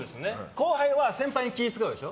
後輩は先輩に気ぃ使うでしょ？